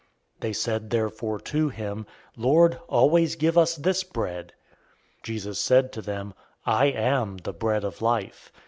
006:034 They said therefore to him, "Lord, always give us this bread." 006:035 Jesus said to them, "I am the bread of life.